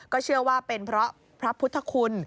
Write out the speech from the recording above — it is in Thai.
เชื่อว่าเป็นเพราะพระพุทธคุณ